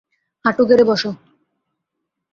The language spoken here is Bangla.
হাঁটু গেড়ে বস।